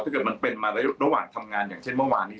ถ้าเกิดมันเป็นมาแล้วระหว่างทำงานอย่างเช่นเมื่อวานนี้